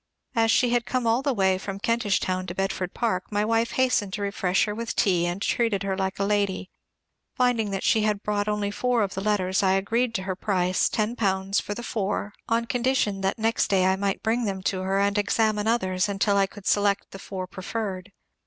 As she had come all the way from Kentish Town to Bedford Park, my wife hastened to refresh her with tea, and treated her like a lady. Finding that she had brought only four of the letters, I agreed to her price, ten pounds for the four, on condition that next day I might bring them to her and examine others, until I could select the four preferred.